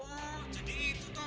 oh jadi itu toh